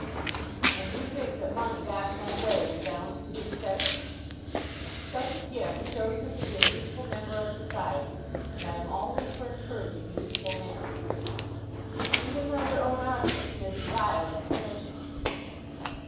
"And you think that money got in that way redounds to his credit?" "Such a gift shows him to be a useful member of society, and I am always for encouraging useful men." "Even though their own objects may be vile and pernicious?"